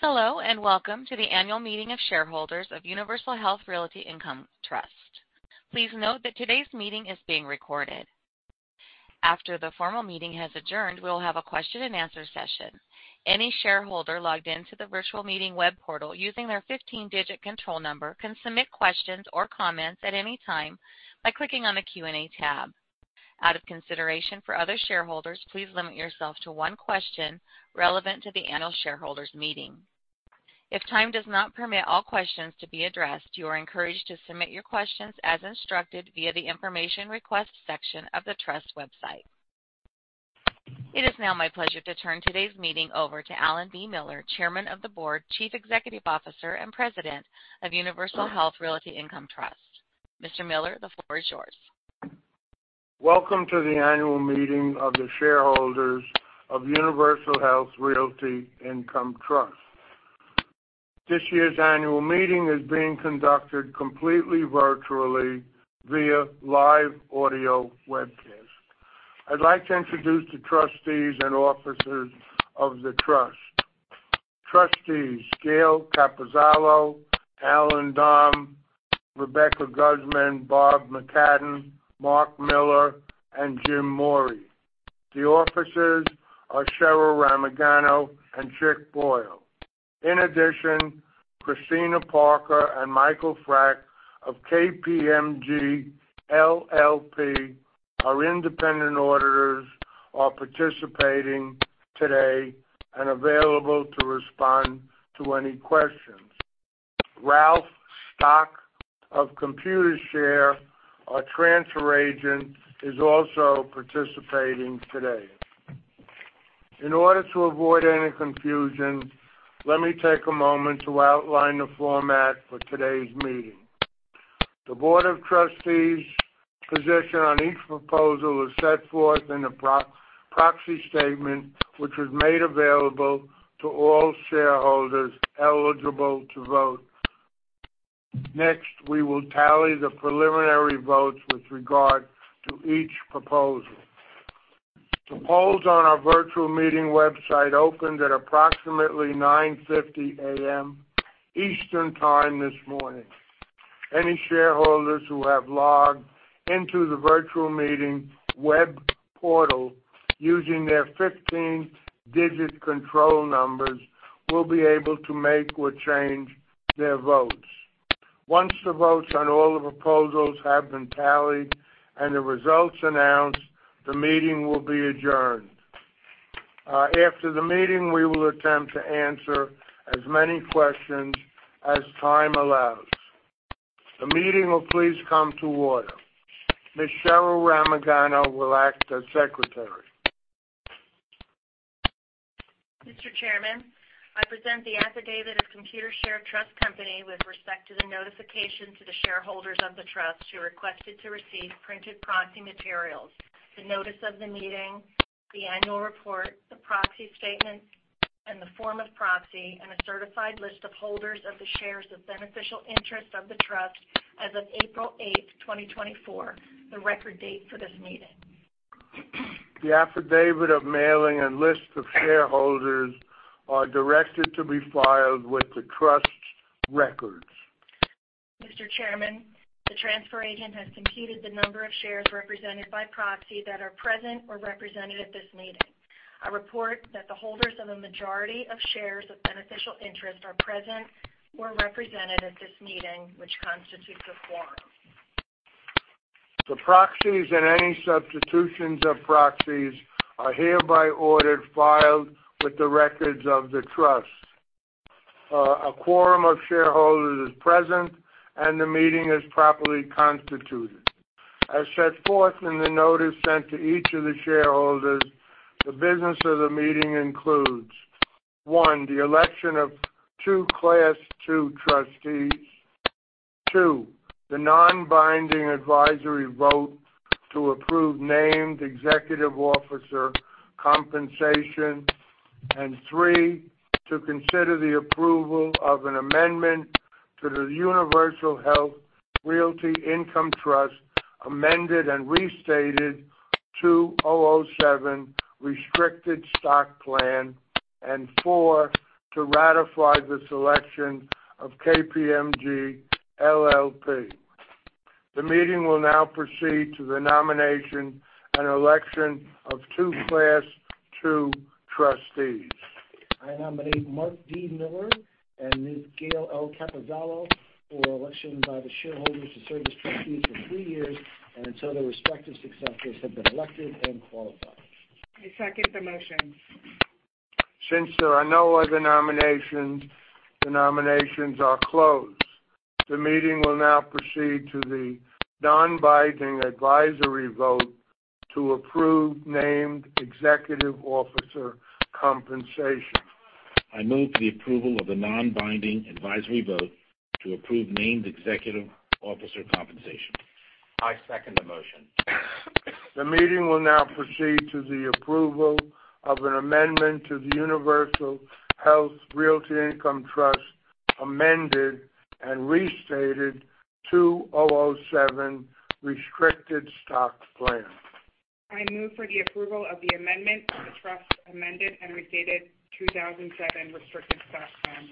Hello, welcome to the annual meeting of shareholders of Universal Health Realty Income Trust. Please note that today's meeting is being recorded. After the formal meeting has adjourned, we'll have a question and answer session. Any shareholder logged into the virtual meeting web portal using their 15-digit control number can submit questions or comments at any time by clicking on the Q&A tab. Out of consideration for other shareholders, please limit yourself to one question relevant to the annual shareholders meeting. If time does not permit all questions to be addressed, you are encouraged to submit your questions as instructed via the information request section of the trust website. It is now my pleasure to turn today's meeting over to Alan B. Miller, Chairman of the Board, Chief Executive Officer, and President of Universal Health Realty Income Trust. Mr. Miller, the floor is yours. Welcome to the annual meeting of the shareholders of Universal Health Realty Income Trust. This year's annual meeting is being conducted completely virtually via live audio webcast. I'd like to introduce the trustees and officers of the trust. Trustees Gayle Capozzalo, Alan Dom, Rebecca Guzman, Bob McCadden, Marc Miller, and Jim Maury. The officers are Cheryl Ramagano and Chick Boyle. In addition, Kristina Parker and Michael Frack of KPMG LLP, our independent auditors, are participating today and available to respond to any questions. Ralph Stock of Computershare, our transfer agent, is also participating today. In order to avoid any confusion, let me take a moment to outline the format for today's meeting. The board of trustees' position on each proposal is set forth in the proxy statement, which was made available to all shareholders eligible to vote. We will tally the preliminary votes with regard to each proposal. The polls on our virtual meeting website opened at approximately 9:50 A.M. Eastern Time this morning. Any shareholders who have logged into the virtual meeting web portal using their 15-digit control numbers will be able to make or change their votes. Once the votes on all the proposals have been tallied and the results announced, the meeting will be adjourned. After the meeting, we will attempt to answer as many questions as time allows. The meeting will please come to order. Ms. Cheryl Ramagano will act as secretary. Mr. Chairman, I present the affidavit of Computershare Trust Company with respect to the notification to the shareholders of the trust who requested to receive printed proxy materials, the notice of the meeting, the annual report, the proxy statement, and the form of proxy, and a certified list of holders of the shares of beneficial interest of the trust as of April 8, 2024, the record date for this meeting. The affidavit of mailing and list of shareholders are directed to be filed with the trust records. Mr. Chairman, the transfer agent has computed the number of shares represented by proxy that are present or represented at this meeting. I report that the holders of a majority of shares of beneficial interest are present or represented at this meeting, which constitutes a quorum. The proxies and any substitutions of proxies are hereby ordered filed with the records of the trust. A quorum of shareholders is present, and the meeting is properly constituted. As set forth in the notice sent to each of the shareholders, the business of the meeting includes, one, the election of 2 Class II trustees, two, the non-binding advisory vote to approve named executive officer compensation, and three, to consider the approval of an amendment to the Universal Health Realty Income Trust Amended and Restated 2007 Restricted Stock Plan, and four, to ratify the selection of KPMG LLP. The meeting will now proceed to the nomination and election of 2 Class II trustees. I nominate Marc D. Miller and Gayle L. Capozzalo for election by the shareholders to serve as trustees for three years and until their respective successors have been elected and qualified. I second the motion. Since there are no other nominations, the nominations are closed. The meeting will now proceed to the non-binding advisory vote to approve named executive officer compensation. I move the approval of the non-binding advisory vote to approve named executive officer compensation. I second the motion. The meeting will now proceed to the approval of an amendment to the Universal Health Realty Income Trust Amended and Restated 2007 Restricted Stock Plan. I move for the approval of the amendment of the Trust's Amended and Restated 2007 Restricted Stock Plan.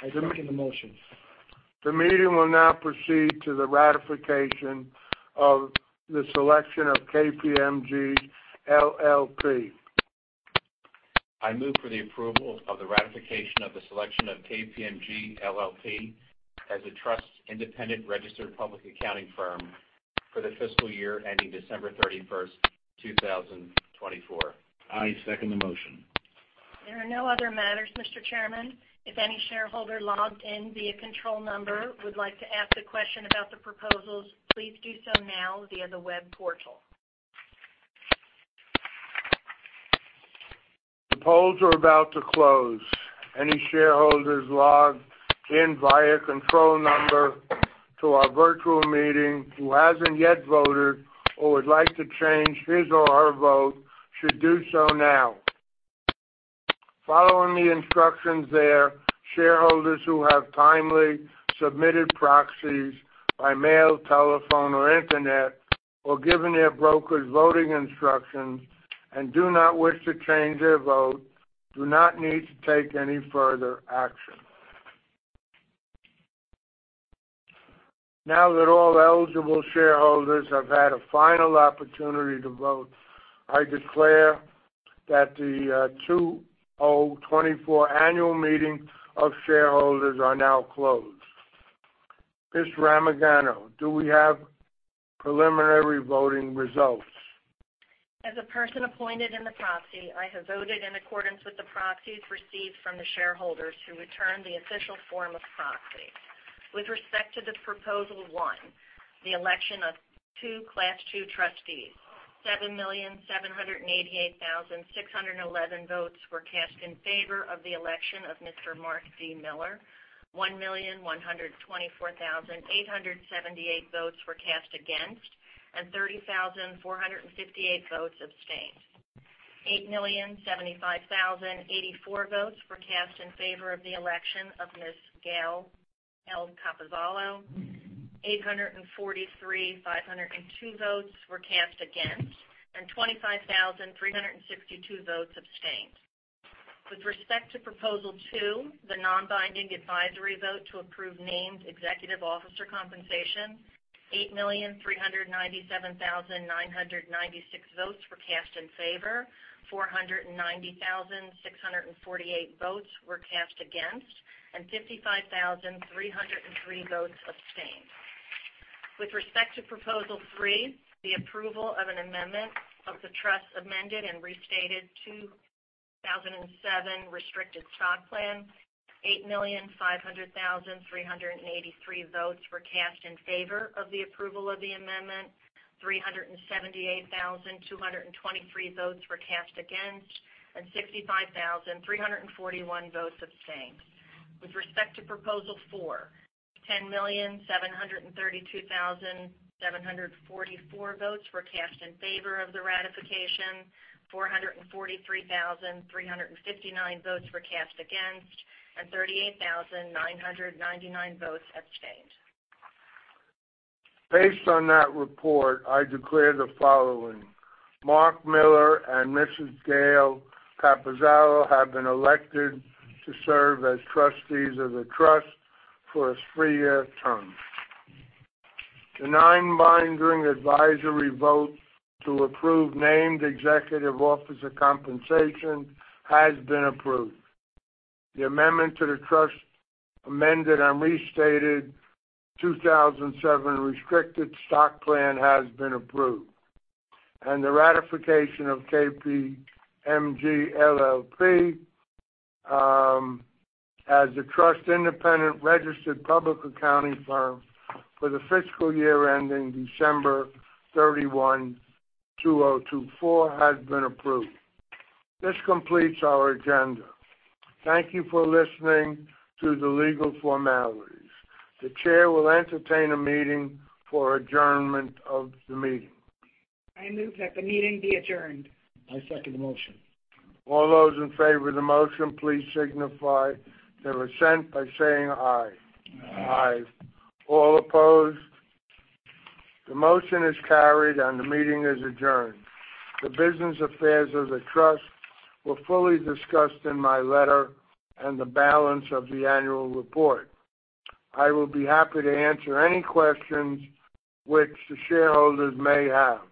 I second the motion. The meeting will now proceed to the ratification of the selection of KPMG LLP. I move for the approval of the ratification of the selection of KPMG LLP as the Trust's independent registered public accounting firm for the fiscal year ending December 31st, 2024. I second the motion. There are no other matters, Mr. Chairman. If any shareholder logged in via control number would like to ask a question about the proposals, please do so now via the web portal. The polls are about to close. Any shareholders logged in via control number to our virtual meeting who hasn't yet voted or would like to change his or her vote should do so now. Following the instructions there, shareholders who have timely submitted proxies by mail, telephone, or internet, or given their brokers voting instructions and do not wish to change their vote, do not need to take any further action. Now that all eligible shareholders have had a final opportunity to vote, I declare that the 2024 annual meeting of shareholders are now closed. Ms. Ramagano, do we have preliminary voting results? As a person appointed in the proxy, I have voted in accordance with the proxies received from the shareholders who returned the official form of proxy. With respect to Proposal One, the election of two Class II trustees, 7,788,611 votes were cast in favor of the election of Mr. Marc D. Miller, 1,124,878 votes were cast against, and 30,458 votes abstained. 8,075,084 votes were cast in favor of the election of Ms. Gayle L. Capozzalo, 843,502 votes were cast against, and 25,362 votes abstained. With respect to Proposal Two, the non-binding advisory vote to approve named executive officer compensation, 8,397,996 votes were cast in favor, 490,648 votes were cast against, and 55,303 votes abstained. With respect to Proposal Three, the approval of an amendment of the Trust's Amended and Restated 2007 Restricted Stock Plan, 8,500,383 votes were cast in favor of the approval of the amendment, 378,223 votes were cast against, and 65,341 votes abstained. With respect to Proposal Four, 10,732,744 votes were cast in favor of the ratification, 443,359 votes were cast against, and 38,999 votes abstained. Based on that report, I declare the following. Marc D. Miller and Mrs. Gayle L. Capozzalo have been elected to serve as trustees of the Trust for a three-year term. The non-binding advisory vote to approve named executive officer compensation has been approved. The amendment to the Trust's Amended and Restated 2007 Restricted Stock Plan has been approved, and the ratification of KPMG LLP, as the Trust's independent registered public accounting firm for the fiscal year ending December 31, 2024, has been approved. This completes our agenda. Thank you for listening to the legal formalities. The chair will entertain a meeting for adjournment of the meeting. I move that the meeting be adjourned. I second the motion. All those in favor of the motion, please signify their assent by saying aye. Aye. Aye. All opposed? The motion is carried, and the meeting is adjourned. The business affairs of the Trust were fully discussed in my letter and the balance of the annual report. I will be happy to answer any questions which the shareholders may have.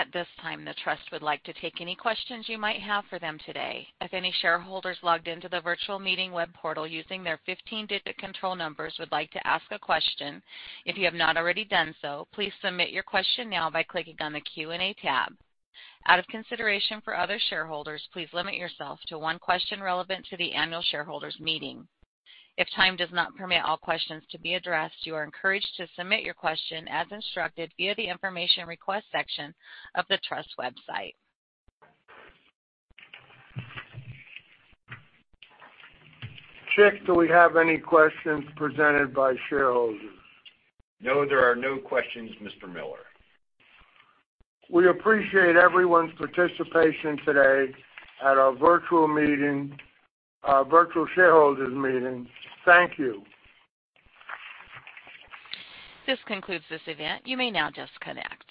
At this time, the Trust would like to take any questions you might have for them today. If any shareholders logged into the virtual meeting web portal using their 15-digit control numbers would like to ask a question, if you have not already done so, please submit your question now by clicking on the Q&A tab. Out of consideration for other shareholders, please limit yourself to one question relevant to the annual shareholders meeting. If time does not permit all questions to be addressed, you are encouraged to submit your question as instructed via the information request section of the Trust website. Chick, do we have any questions presented by shareholders? No, there are no questions, Mr. Miller. We appreciate everyone's participation today at our virtual shareholders meeting. Thank you. This concludes this event. You may now disconnect.